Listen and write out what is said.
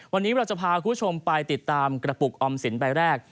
วันนี้เราจะพาคุณผู้ชมไปติดตามกระปุกออมสินใบแรก